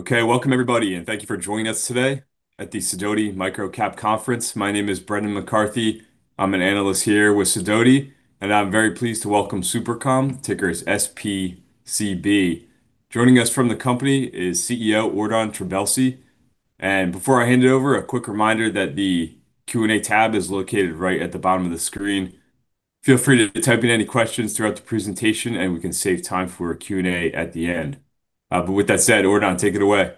Okay, welcome everybody, and thank you for joining us today at the Sidoti Microcap Conference. My name is Brendan McCarthy. I'm an analyst here with Sidoti, and I'm very pleased to welcome SuperCom, ticker SPCB. Joining us from the company is CEO Ordan Trabelsi. And before I hand it over, a quick reminder that the Q&A tab is located right at the bottom of the screen. Feel free to type in any questions throughout the presentation, and we can save time for a Q&A at the end. But with that said, Ordan, take it away.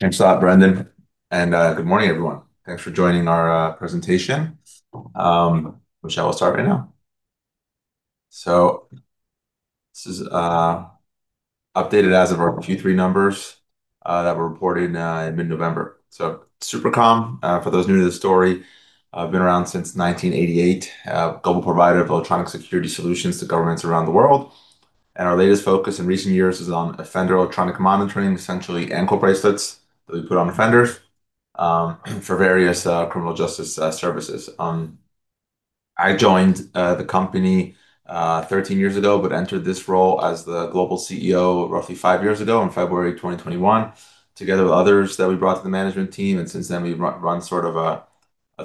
Thanks a lot, Brendan. Good morning, everyone. Thanks for joining our presentation. With that, I'll start right now. This is updated as of our Q3 numbers that were reported in mid-November. SuperCom, for those new to the story, we've been around since 1988, a global provider of electronic security solutions to governments around the world. Our latest focus in recent years is on offender electronic monitoring, essentially ankle bracelets that we put on offenders for various criminal justice services. I joined the company 13 years ago, but entered this role as the global CEO roughly five years ago in February 2021, together with others that we brought to the management team. And since then, we've run sort of a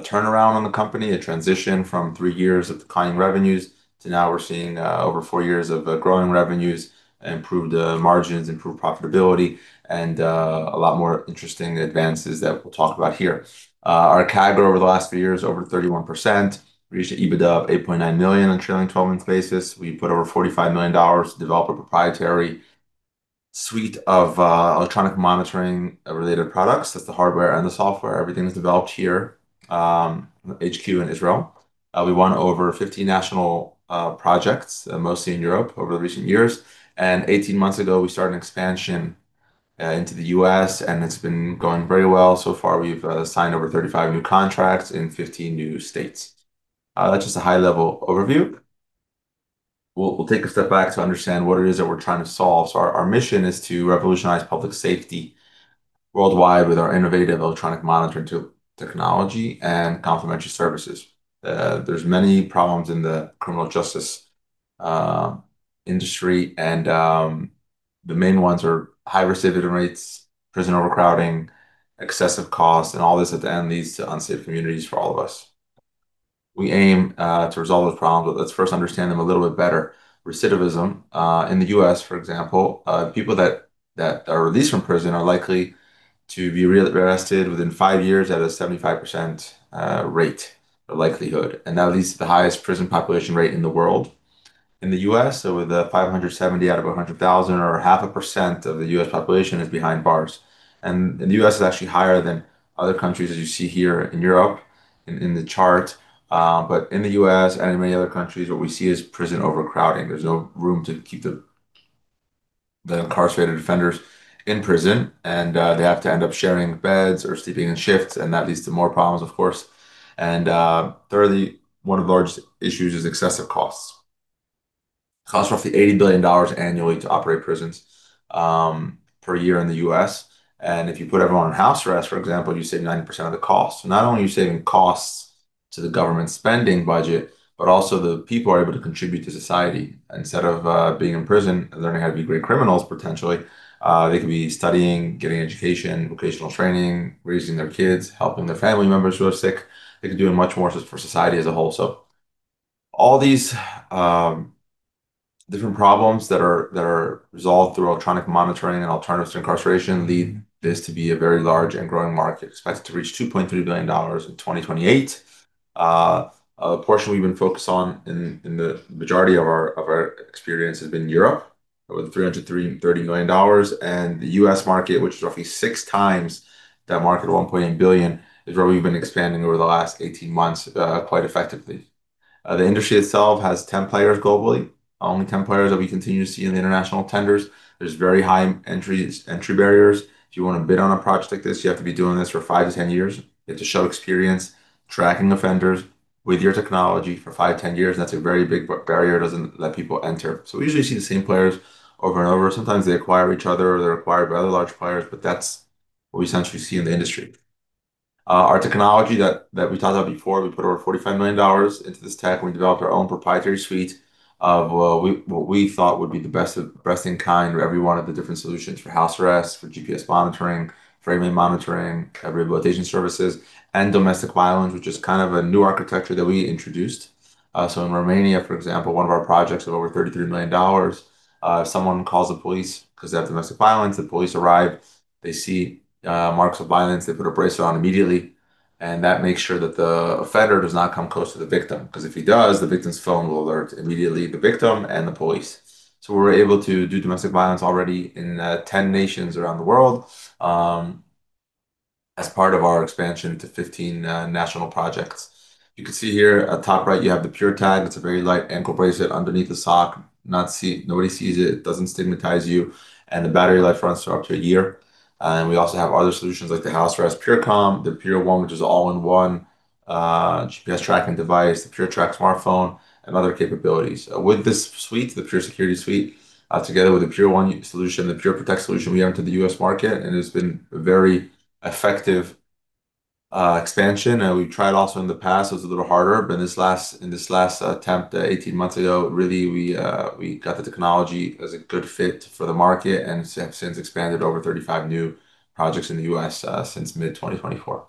turnaround on the company, a transition from three years of declining revenues to now we're seeing over four years of growing revenues, improved margins, improved profitability, and a lot more interesting advances that we'll talk about here. Our CAGR over the last few years, over 31%. We reached EBITDA of $8.9 million on a trailing 12-month basis. We put over $45 million to develop a proprietary suite of electronic monitoring-related products. That's the hardware and the software. Everything is developed here, HQ in Israel. We won over 50 national projects, mostly in Europe, over the recent years. And 18 months ago, we started an expansion into the U.S., and it's been going very well. So far, we've signed over 35 new contracts in 15 new states. That's just a high-level overview. We'll take a step back to understand what it is that we're trying to solve. So our mission is to revolutionize public safety worldwide with our innovative electronic monitoring technology and complementary services. There's many problems in the criminal justice industry, and the main ones are high recidivism rates, prison overcrowding, excessive costs, and all this at the end leads to unsafe communities for all of us. We aim to resolve those problems, but let's first understand them a little bit better. Recidivism in the U.S., for example, people that are released from prison are likely to be arrested within five years at a 75% rate of likelihood, and that leads to the highest prison population rate in the world. In the U.S., so with 570 out of 100,000, or 0.5% of the U.S. population is behind bars. In the US, it's actually higher than other countries, as you see here in Europe in the chart. In the US and in many other countries, what we see is prison overcrowding. There's no room to keep the incarcerated offenders in prison, and they have to end up sharing beds or sleeping in shifts, and that leads to more problems, of course. Thirdly, one of the largest issues is excessive costs. It costs roughly $80 billion annually to operate prisons per year in the US. If you put everyone in house arrest, for example, you save 90% of the cost. Not only are you saving costs to the government spending budget, but also the people are able to contribute to society. Instead of being in prison and learning how to be great criminals, potentially, they could be studying, getting education, vocational training, raising their kids, helping their family members who are sick. They could do much more for society as a whole. So all these different problems that are resolved through electronic monitoring and alternatives to incarceration lead this to be a very large and growing market. It's expected to reach $2.3 billion in 2028. A portion we've been focused on in the majority of our experience has been Europe, over $330 million. And the US market, which is roughly six times that market of $1.8 billion, is where we've been expanding over the last 18 months quite effectively. The industry itself has 10 players globally, only 10 players that we continue to see in the international tenders. There's very high entry barriers. If you want to bid on a project like this, you have to be doing this for five to 10 years. You have to show experience tracking offenders with your technology for five to 10 years. That's a very big barrier. It doesn't let people enter. So we usually see the same players over and over. Sometimes they acquire each other, or they're acquired by other large players, but that's what we essentially see in the industry. Our technology that we talked about before, we put over $45 million into this tech. We developed our own proprietary suite of what we thought would be the best in class for every one of the different solutions for house arrest, for GPS monitoring, geofencing monitoring, rehabilitation services, and domestic violence, which is kind of a new architecture that we introduced. So in Romania, for example, one of our projects of over $33 million, if someone calls the police because they have domestic violence, the police arrive, they see marks of violence, they put a bracelet on immediately, and that makes sure that the offender does not come close to the victim. Because if he does, the victim's phone will alert immediately the victim and the police. So we're able to do domestic violence already in 10 nations around the world as part of our expansion to 15 national projects. You can see here at the top right, you have the PureTag. It's a very light ankle bracelet underneath the sock. Nobody sees it. It doesn't stigmatize you. And the battery life runs for up to a year. And we also have other solutions like the house arrest PureCom, the PureOne, which is an all-in-one GPS tracking device, the PureTrack smartphone, and other capabilities. With this suite, the PureSecurity Suite, together with the PureOne solution, the PureProtect solution, we entered the U.S. market, and it's been a very effective expansion. And we've tried also in the past. It was a little harder, but in this last attempt 18 months ago, really, we got the technology as a good fit for the market and have since expanded over 35 new projects in the U.S. since mid-2024.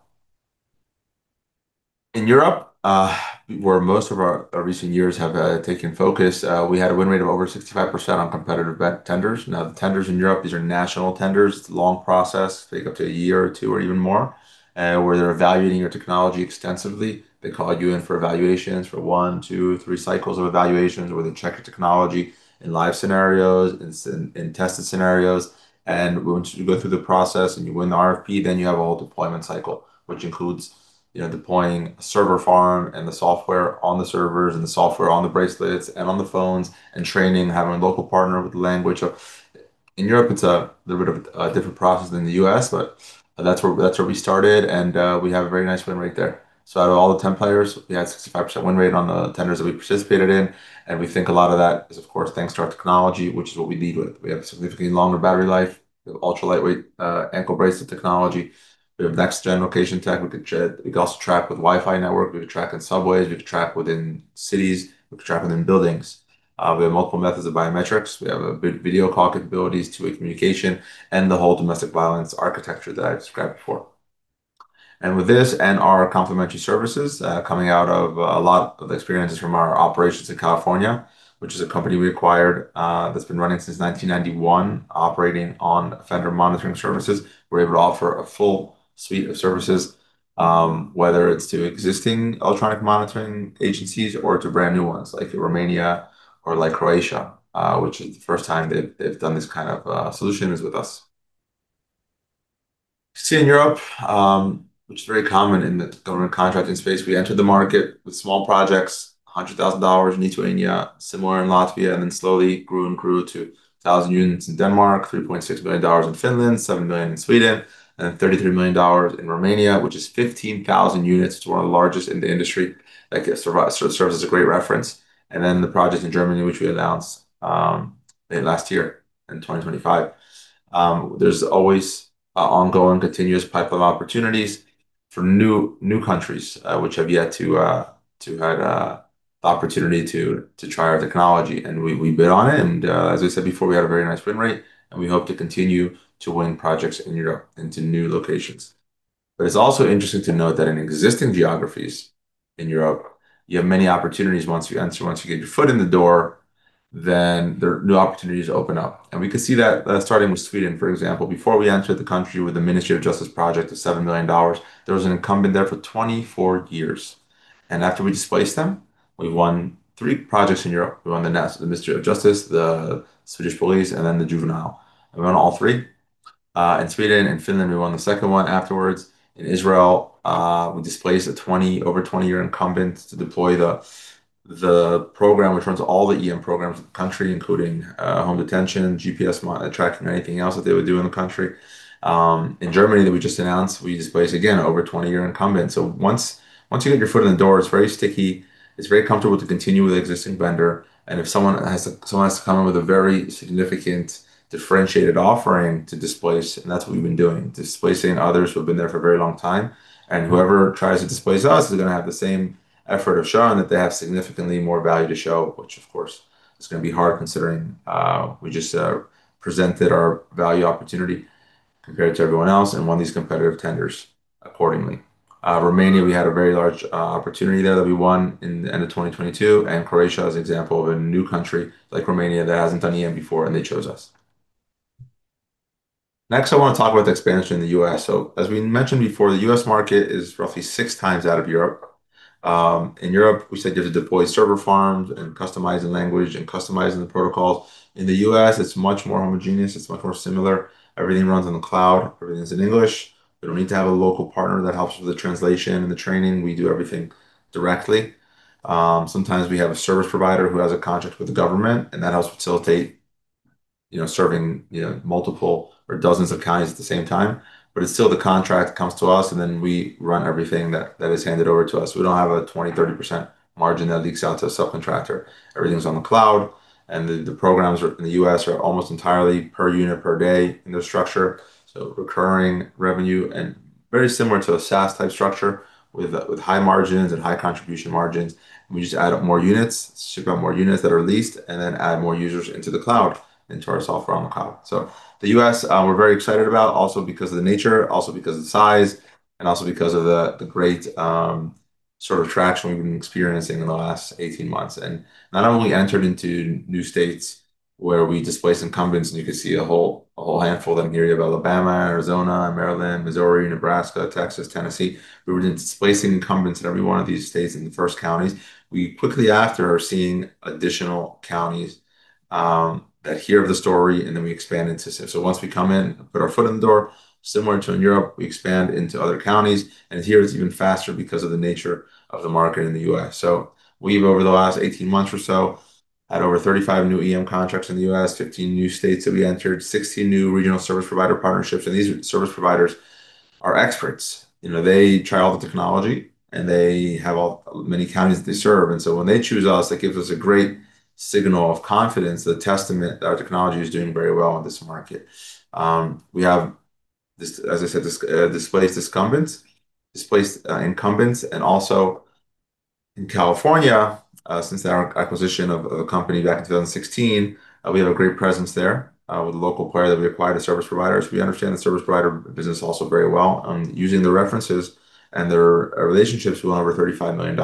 In Europe, where most of our recent years have taken focus, we had a win rate of over 65% on competitive tenders. Now, the tenders in Europe, these are national tenders. It's a long process, take up to a year or two or even more, where they're evaluating your technology extensively. They call you in for evaluations for one, two, three cycles of evaluations, where they check your technology in live scenarios, in tested scenarios, and once you go through the process and you win the RFP, then you have a whole deployment cycle, which includes deploying a server farm and the software on the servers and the software on the bracelets and on the phones and training, having a local partner with the language. In Europe, it's a little bit of a different process than the U.S., but that's where we started, and we have a very nice win rate there, so out of all the 10 players, we had a 65% win rate on the tenders that we participated in, and we think a lot of that is, of course, thanks to our technology, which is what we lead with. We have a significantly longer battery life. We have ultra-lightweight ankle bracelet technology. We have next-gen location tech. We can also track with Wi-Fi network. We can track in subways. We can track within cities. We can track within buildings. We have multiple methods of biometrics. We have video call capabilities, two-way communication, and the whole domestic violence architecture that I described before, and with this and our complementary services coming out of a lot of the experiences from our operations in California, which is a company we acquired that's been running since 1991, operating on offender monitoring services, we're able to offer a full suite of services, whether it's to existing electronic monitoring agencies or to brand new ones like Romania or Croatia, which is the first time they've done this kind of solutions with us. You see in Europe, which is very common in the government contracting space, we entered the market with small projects, $100,000 in Lithuania, similar in Latvia, and then slowly grew and grew to 1,000 units in Denmark, $3.6 million in Finland, $7 million in Sweden, and $33 million in Romania, which is 15,000 units. It's one of the largest in the industry that serves as a great reference, and then the project in Germany, which we announced last year in 2025. There's always an ongoing continuous pipeline of opportunities for new countries which have yet to had the opportunity to try our technology, and we bid on it, and as I said before, we had a very nice win rate, and we hope to continue to win projects in Europe into new locations, but it's also interesting to note that in existing geographies in Europe, you have many opportunities. Once you get your foot in the door, then there are new opportunities to open up. And we could see that starting with Sweden, for example. Before we entered the country with the Ministry of Justice project of $7 million, there was an incumbent there for 24 years. And after we displaced them, we won three projects in Europe. We won the Ministry of Justice, the Swedish Police, and then the juvenile. We won all three. In Sweden and Finland, we won the second one afterwards. In Israel, we displaced over 20-year incumbents to deploy the program, which runs all the EM programs in the country, including home detention, GPS tracking, anything else that they would do in the country. In Germany that we just announced, we displaced again over 20-year incumbents. So once you get your foot in the door, it's very sticky. It's very comfortable to continue with the existing vendor. And if someone has to come in with a very significant differentiated offering to displace, and that's what we've been doing, displacing others who have been there for a very long time. And whoever tries to displace us is going to have the same effort of showing that they have significantly more value to show, which, of course, is going to be hard considering we just presented our value opportunity compared to everyone else and won these competitive tenders accordingly. Romania, we had a very large opportunity there that we won in the end of 2022. And Croatia is an example of a new country like Romania that hasn't done EM before, and they chose us. Next, I want to talk about the expansion in the U.S. So as we mentioned before, the U.S. market is roughly six times out of Europe. In Europe, we said you have to deploy server farms and customize the language and customize the protocols. In the U.S., it's much more homogeneous. It's much more similar. Everything runs on the cloud. Everything's in English. We don't need to have a local partner that helps with the translation and the training. We do everything directly. Sometimes we have a service provider who has a contract with the government, and that helps facilitate serving multiple or dozens of counties at the same time. But it's still the contract that comes to us, and then we run everything that is handed over to us. We don't have a 20%-30% margin that leaks out to a subcontractor. Everything's on the cloud. And the programs in the U.S. are almost entirely per unit per day in the structure. So recurring revenue and very similar to a SaaS-type structure with high margins and high contribution margins. We just add more units, ship out more units that are leased, and then add more users into the cloud, into our software on the cloud. So the U.S., we're very excited about also because of the nature, also because of the size, and also because of the great sort of traction we've been experiencing in the last 18 months. And not only entered into new states where we displaced incumbents, and you could see a whole handful of them here in Alabama and Arizona and Maryland, Missouri, Nebraska, Texas, Tennessee. We were displacing incumbents in every one of these states in the first counties. We quickly after are seeing additional counties that hear of the story, and then we expand into it. So once we come in, put our foot in the door, similar to in Europe, we expand into other counties. And here it's even faster because of the nature of the market in the U.S. So we've, over the last 18 months or so, had over 35 new EM contracts in the U.S., 15 new states that we entered, 16 new regional service provider partnerships. And these service providers are experts. They try all the technology, and they have many counties that they serve. And so when they choose us, that gives us a great signal of confidence, the testament that our technology is doing very well in this market. We have, as I said, displaced incumbents. And also in California, since our acquisition of a company back in 2016, we have a great presence there with a local player that we acquired as service providers. We understand the service provider business also very well. Using the references and their relationships, we won over $35 million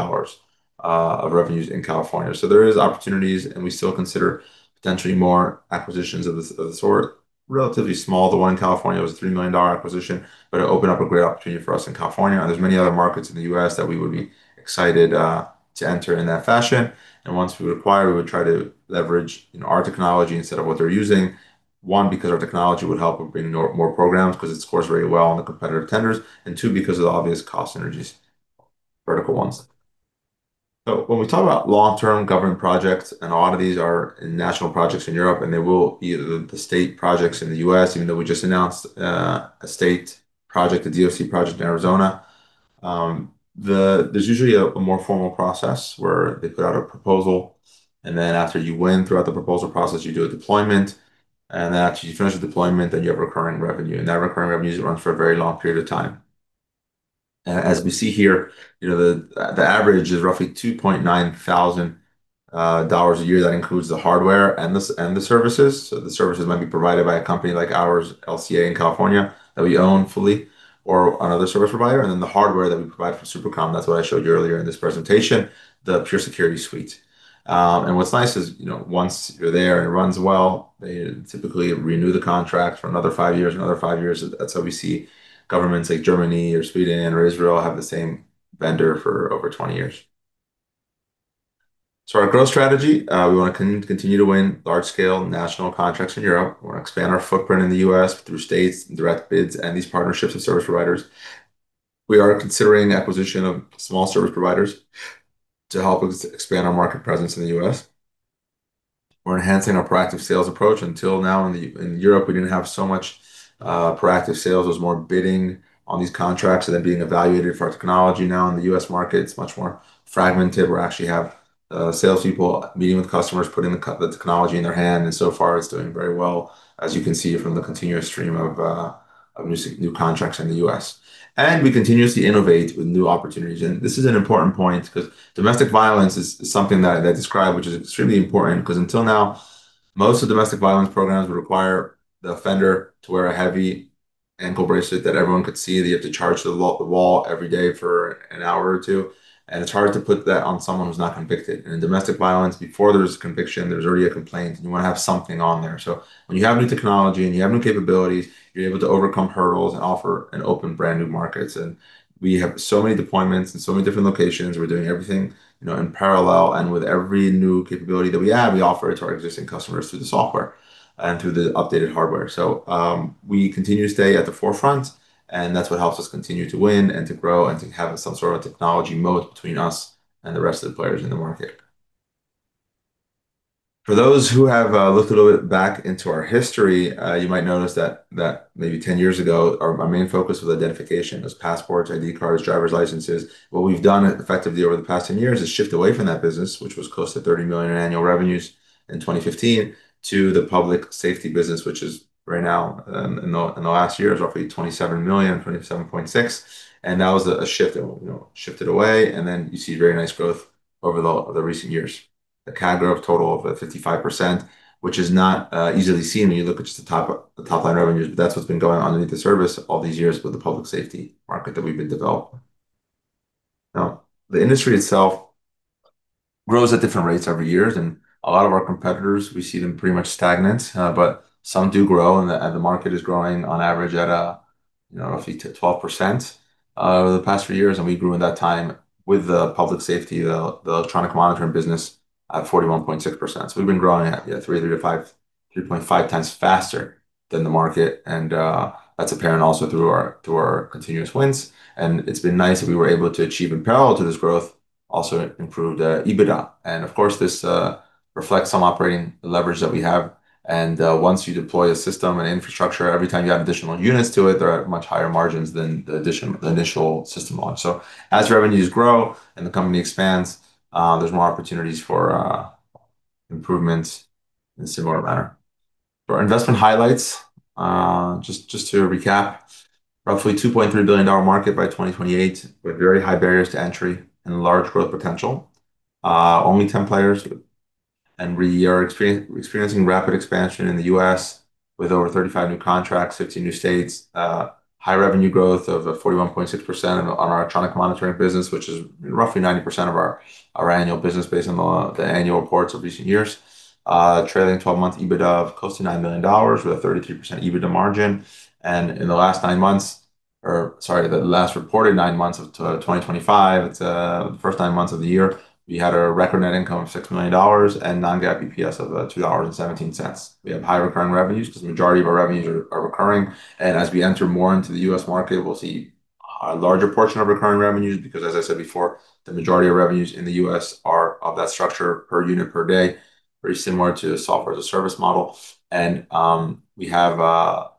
of revenues in California. So there are opportunities, and we still consider potentially more acquisitions of the sort. Relatively small, the one in California was a $3 million acquisition, but it opened up a great opportunity for us in California. And there are many other markets in the US that we would be excited to enter in that fashion. And once we were acquired, we would try to leverage our technology instead of what they're using. One, because our technology would help with bringing more programs because it scores very well on the competitive tenders. And two, because of the obvious cost synergies, vertical ones. So when we talk about long-term government projects, and a lot of these are national projects in Europe, and they will be the state projects in the U.S., even though we just announced a state project, the DOC project in Arizona, there's usually a more formal process where they put out a proposal. And then after you win throughout the proposal process, you do a deployment. And then after you finish the deployment, then you have recurring revenue. And that recurring revenue runs for a very long period of time. And as we see here, the average is roughly $2,900 a year. That includes the hardware and the services. So the services might be provided by a company like ours, LCA in California, that we own fully, or another service provider. The hardware that we provide for SuperCom, that's what I showed you earlier in this presentation, the PureSecurity Suite. What's nice is once you're there and it runs well, they typically renew the contract for another five years, another five years. That's how we see governments like Germany or Sweden or Israel have the same vendor for over 20 years. Our growth strategy, we want to continue to win large-scale national contracts in Europe. We want to expand our footprint in the U.S. through states and direct bids and these partnerships of service providers. We are considering acquisition of small service providers to help expand our market presence in the U.S. We're enhancing our proactive sales approach. Until now, in Europe, we didn't have so much proactive sales. It was more bidding on these contracts and then being evaluated for our technology. Now, in the U.S. market, it's much more fragmented. We actually have salespeople meeting with customers, putting the technology in their hand, and so far, it's doing very well, as you can see from the continuous stream of new contracts in the U.S., and we continuously innovate with new opportunities, and this is an important point because domestic violence is something that I described, which is extremely important because until now, most of the domestic violence programs would require the offender to wear a heavy ankle bracelet that everyone could see. They have to charge the wall every day for an hour or two, and it's hard to put that on someone who's not convicted, and in domestic violence, before there's a conviction, there's already a complaint, and you want to have something on there. So when you have new technology and you have new capabilities, you're able to overcome hurdles and offer an open, brand new market. And we have so many deployments in so many different locations. We're doing everything in parallel. And with every new capability that we have, we offer it to our existing customers through the software and through the updated hardware. So we continue to stay at the forefront, and that's what helps us continue to win and to grow and to have some sort of technology moat between us and the rest of the players in the market. For those who have looked a little bit back into our history, you might notice that maybe 10 years ago, our main focus was identification, those passports, ID cards, driver's licenses. What we've done effectively over the past 10 years is shift away from that business, which was close to $30 million in annual revenues in 2015, to the public safety business, which is right now, in the last year, is roughly $27 million, $27.6 million. And that was a shift. It shifted away. And then you see very nice growth over the recent years. The CAGR of total of 55%, which is not easily seen when you look at just the top line revenues, but that's what's been going on underneath the service all these years with the public safety market that we've been developing. Now, the industry itself grows at different rates every year. And a lot of our competitors, we see them pretty much stagnant, but some do grow. And the market is growing on average at roughly 12% over the past few years. We grew in that time with the public safety, the electronic monitoring business at 41.6%. So we've been growing at 3.5 times faster than the market. That's apparent also through our continuous wins. It's been nice that we were able to achieve in parallel to this growth also improved EBITDA. Of course, this reflects some operating leverage that we have. Once you deploy a system and infrastructure, every time you add additional units to it, there are much higher margins than the initial system launch. So as revenues grow and the company expands, there's more opportunities for improvements in a similar manner. For investment highlights, just to recap, roughly $2.3 billion market by 2028 with very high barriers to entry and large growth potential. Only 10 players. We are experiencing rapid expansion in the U.S. with over 35 new contracts, 15 new states, high revenue growth of 41.6% on our electronic monitoring business, which is roughly 90% of our annual business base in the annual reports of recent years, trailing 12-month EBITDA of close to $9 million with a 33% EBITDA margin. In the last nine months, or sorry, the last reported nine months of 2025, the first nine months of the year, we had a record net income of $6 million and non-GAAP EPS of $2.17. We have high recurring revenues because the majority of our revenues are recurring. And as we enter more into the U.S. market, we'll see a larger portion of recurring revenues because, as I said before, the majority of revenues in the U.S. are of that structure per unit per day, very similar to a software as a service model. And we have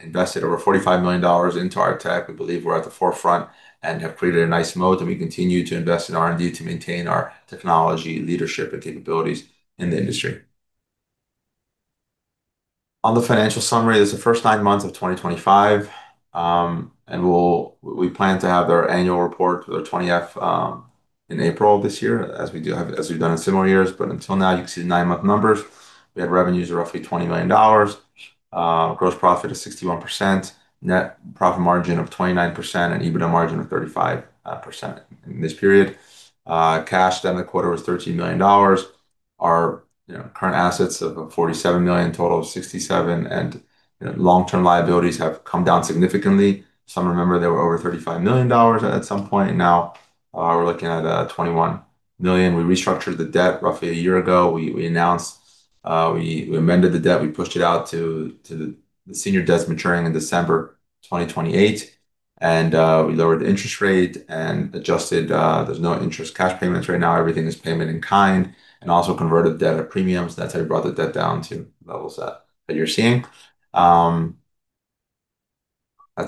invested over $45 million into our tech. We believe we're at the forefront and have created a nice moat. And we continue to invest in R&D to maintain our technology leadership and capabilities in the industry. On the financial summary, this is the first nine months of 2025. And we plan to have their annual report, their 20-F, in April of this year, as we've done in similar years. But until now, you can see the nine-month numbers. We had revenues of roughly $20 million, gross profit of 61%, net profit margin of 29%, and EBITDA margin of 35% in this period. Cash burn in the quarter was $13 million. Our current assets of $47 million, total of $67 million. Long-term liabilities have come down significantly. Some remember they were over $35 million at some point. Now, we're looking at $21 million. We restructured the debt roughly a year ago. We announced we amended the debt. We pushed it out to the senior debts maturing in December 2028. We lowered the interest rate and adjusted. There's no interest cash payments right now. Everything is payment in kind and also converted debt at premiums. That's how we brought the debt down to levels that you're seeing. That's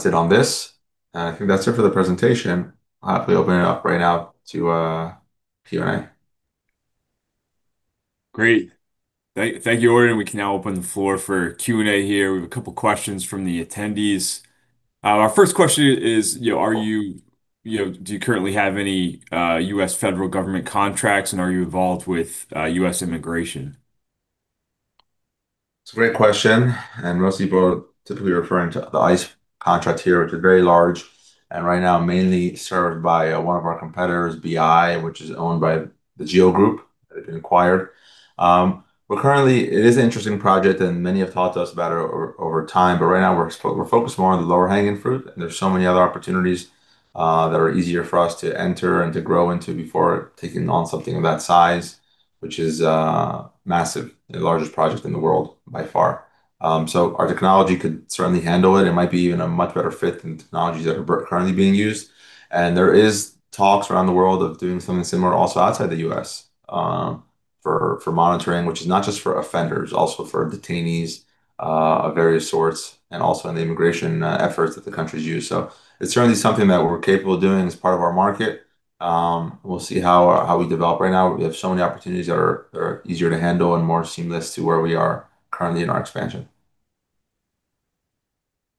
it on this. I think that's it for the presentation. I'll happily open it up right now to Q&A. Great. Thank you, Ordan. We can now open the floor for Q&A here. We have a couple of questions from the attendees. Our first question is, do you currently have any U.S. federal government contracts, and are you involved with U.S. immigration? It's a great question. Most people are typically referring to the ICE contract here, which is very large and right now mainly served by one of our competitors, BI, which is owned by the GEO Group that had been acquired. Currently, it is an interesting project, and many have talked to us about it over time. Right now, we're focused more on the lower-hanging fruit. There's so many other opportunities that are easier for us to enter and to grow into before taking on something of that size, which is massive, the largest project in the world by far. So our technology could certainly handle it. It might be even a much better fit than technologies that are currently being used. And there are talks around the world of doing something similar also outside the U.S. for monitoring, which is not just for offenders, also for detainees of various sorts and also in the immigration efforts that the country's used. So it's certainly something that we're capable of doing as part of our market. We'll see how we develop right now. We have so many opportunities that are easier to handle and more seamless to where we are currently in our expansion.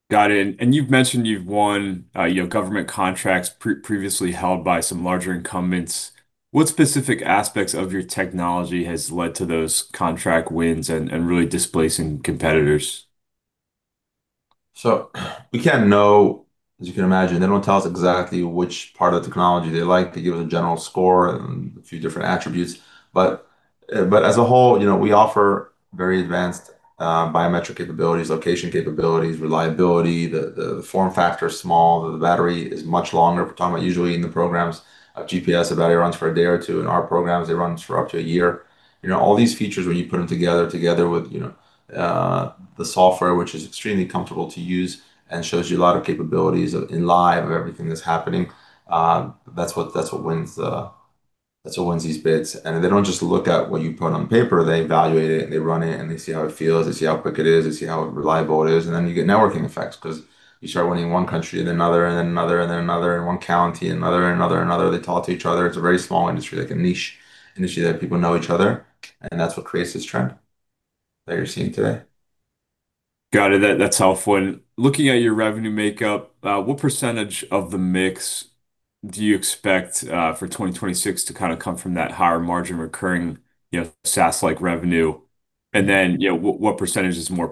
Got it. And you've mentioned you've won government contracts previously held by some larger incumbents. What specific aspects of your technology has led to those contract wins and really displacing competitors? So we can't know, as you can imagine. They don't tell us exactly which part of the technology they like. They give us a general score and a few different attributes. But as a whole, we offer very advanced biometric capabilities, location capabilities, reliability. The form factor is small. The battery is much longer. We're talking about usually in the programs of GPS, the battery runs for a day or two. In our programs, they run for up to a year. All these features, when you put them together, together with the software, which is extremely comfortable to use and shows you a lot of capabilities in live view of everything that's happening, that's what wins these bids. And they don't just look at what you put on paper. They evaluate it, and they run it, and they see how it feels. They see how quick it is. They see how reliable it is. And then you get networking effects because you start winning one country and another and then another and then another and one country and another and another and another. They talk to each other. It's a very small industry, like a niche industry that people know each other. And that's what creates this trend that you're seeing today. Got it. That's helpful. And looking at your revenue makeup, what percentage of the mix do you expect for 2026 to kind of come from that higher margin recurring SaaS-like revenue? And then what percentage is more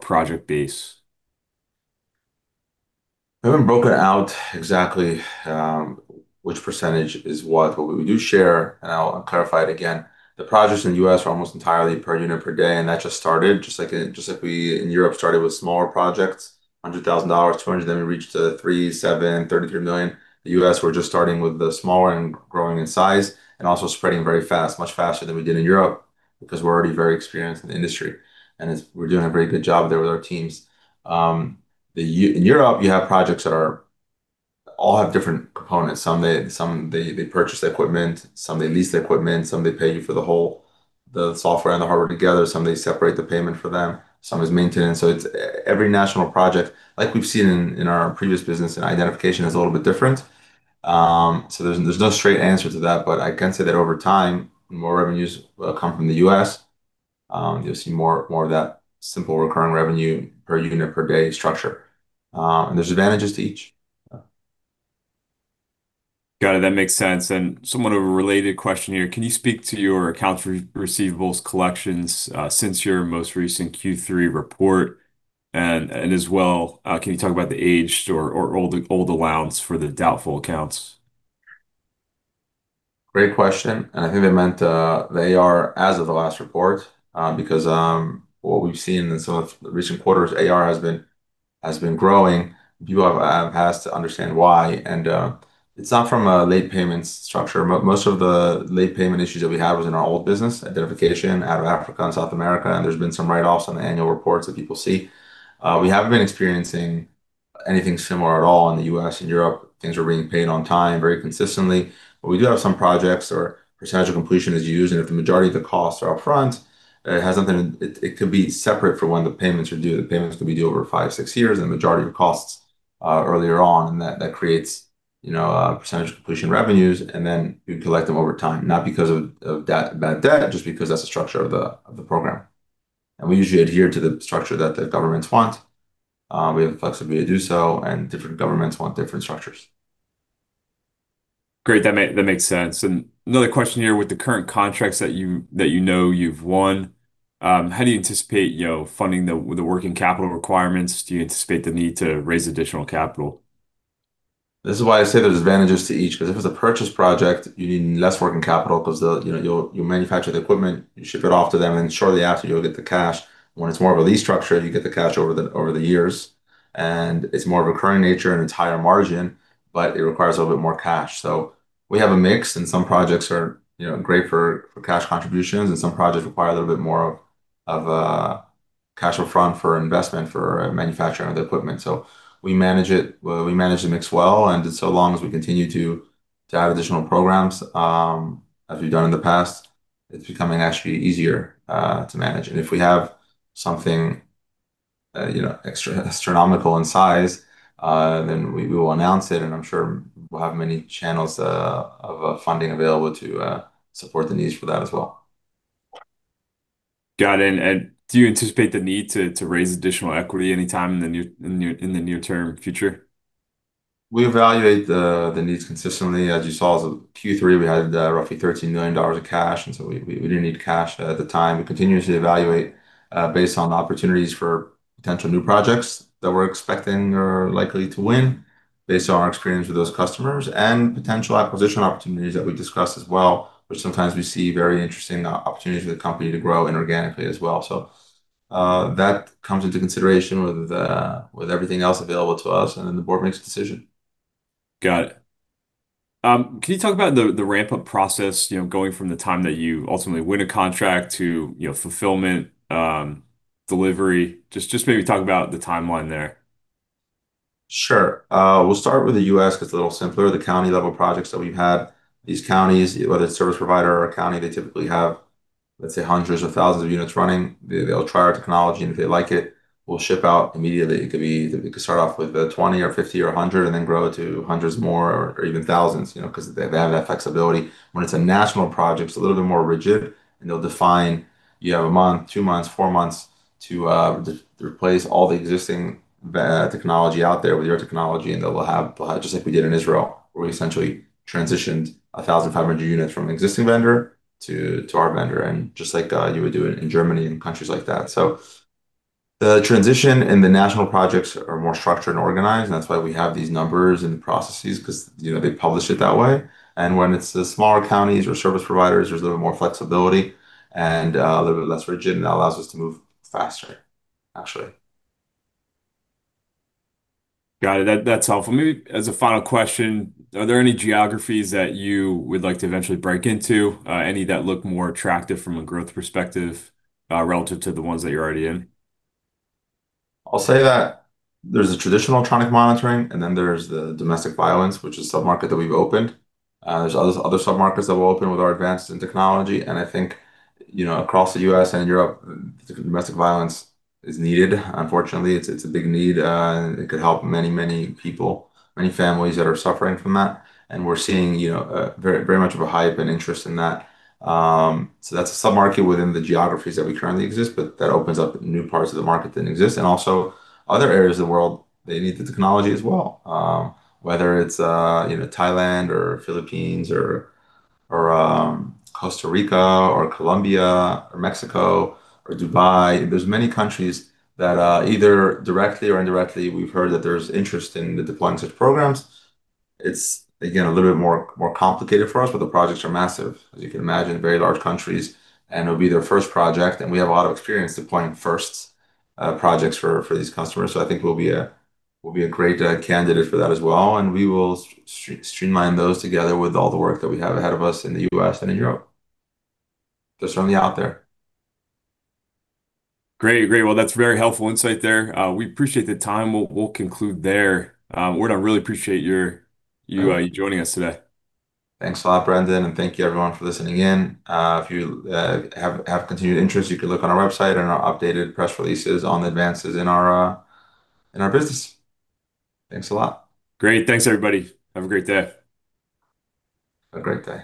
project-based? I haven't broken out exactly which percentage is what. But we do share, and I'll clarify it again. The projects in the U.S. are almost entirely per unit per day. And that just started, just like we in Europe started with smaller projects, $100,000, $200,000. Then we reached $37 million, $33 million. The U.S., we're just starting with the smaller and growing in size and also spreading very fast, much faster than we did in Europe because we're already very experienced in the industry. And we're doing a very good job there with our teams. In Europe, you have projects that all have different components. Some they purchase the equipment. Some they lease the equipment. Some they pay you for the whole, the software and the hardware together. Some they separate the payment for them. Some is maintenance. So it's every national project, like we've seen in our previous business, and identification is a little bit different. So there's no straight answer to that. But I can say that over time, when more revenues come from the U.S., you'll see more of that simple recurring revenue per unit per day structure. And there's advantages to each. Got it. That makes sense. Somewhat of a related question here. Can you speak to your accounts receivable collections since your most recent Q3 report? And as well, can you talk about the aged or old allowance for the doubtful accounts? Great question. I think they meant the AR as of the last report because what we've seen in some of the recent quarters, AR has been growing. People have asked to understand why. It's not from a late payments structure. Most of the late payment issues that we have are in our old business, identification, out of Africa and South America. There's been some write-offs on the annual reports that people see. We haven't been experiencing anything similar at all in the U.S. and Europe. Things are being paid on time very consistently. But we do have some projects where percentage of completion is used. If the majority of the costs are upfront, it could be separate for when the payments are due. The payments could be due over five, six years and the majority of costs earlier on. That creates percentage of completion revenues. Then we collect them over time, not because of bad debt, just because that's the structure of the program. We usually adhere to the structure that the governments want. We have the flexibility to do so. Different governments want different structures. Great. That makes sense. Another question here with the current contracts that you know you've won, how do you anticipate funding the working capital requirements? Do you anticipate the need to raise additional capital? This is why I say there's advantages to each because if it's a purchase project, you need less working capital because you manufacture the equipment, you ship it off to them, and shortly after, you'll get the cash. When it's more of a lease structure, you get the cash over the years and it's more of a recurring nature and it's higher margin, but it requires a little bit more cash, so we have a mix, and some projects are great for cash contributions, and some projects require a little bit more of cash upfront for investment for manufacturing of the equipment, so we manage it. We manage the mix well and so long as we continue to add additional programs, as we've done in the past, it's becoming actually easier to manage and if we have something astronomical in size, then we will announce it. I'm sure we'll have many channels of funding available to support the needs for that as well. Got it. And do you anticipate the need to raise additional equity anytime in the near-term future? We evaluate the needs consistently. As you saw, Q3, we had roughly $13 million of cash. And so we didn't need cash at the time. We continuously evaluate based on opportunities for potential new projects that we're expecting or likely to win based on our experience with those customers and potential acquisition opportunities that we discussed as well, which sometimes we see very interesting opportunities for the company to grow inorganically as well. So that comes into consideration with everything else available to us. And then the board makes a decision. Got it. Can you talk about the ramp-up process going from the time that you ultimately win a contract to fulfillment, delivery? Just maybe talk about the timeline there. Sure. We'll start with the U.S. because it's a little simpler. The county-level projects that we've had, these counties, whether it's a service provider or a county, they typically have, let's say, hundreds or thousands of units running. They'll try our technology. And if they like it, we'll ship out immediately. It could start off with 20 or 50 or 100 and then grow to hundreds more or even thousands because they have that flexibility. When it's a national project, it's a little bit more rigid. And they'll define you have a month, two months, four months to replace all the existing technology out there with your technology. And they'll have just like we did in Israel, where we essentially transitioned 1,500 units from an existing vendor to our vendor, and just like you would do in Germany and countries like that. So the transition in the national projects are more structured and organized. And that's why we have these numbers and processes because they publish it that way. And when it's the smaller counties or service providers, there's a little bit more flexibility and a little bit less rigid. And that allows us to move faster, actually. Got it. That's helpful. Maybe as a final question, are there any geographies that you would like to eventually break into? Any that look more attractive from a growth perspective relative to the ones that you're already in? I'll say that there's a traditional electronic monitoring, and then there's the domestic violence, which is a submarket that we've opened. There's other submarkets that we'll open with our advanced technology. And I think across the U.S. and Europe, domestic violence is needed. Unfortunately, it's a big need. It could help many, many people, many families that are suffering from that. And we're seeing very much of a hype and interest in that. So that's a submarket within the geographies that we currently exist, but that opens up new parts of the market that exist. And also, other areas of the world, they need the technology as well, whether it's Thailand or Philippines or Costa Rica or Colombia or Mexico or Dubai. There's many countries that either directly or indirectly, we've heard that there's interest in deploying such programs. It's, again, a little bit more complicated for us, but the projects are massive, as you can imagine, very large countries. And it'll be their first project. And we have a lot of experience deploying first projects for these customers. So I think we'll be a great candidate for that as well. And we will streamline those together with all the work that we have ahead of us in the U.S. and in Europe. They're certainly out there. Great. Great. Well, that's very helpful insight there. We appreciate the time. We'll conclude there. Ordan, I really appreciate you joining us today. Thanks a lot, Brendan. And thank you, everyone, for listening in. If you have continued interest, you can look on our website and our updated press releases on the advances in our business. Thanks a lot. Great. Thanks, everybody. Have a great day. Have a great day.